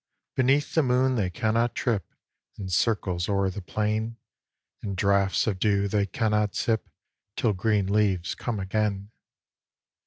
Beneath the moon they cannot trip In circles o'er the plain; And draughts of dew they cannot sip, Till green leaves come again.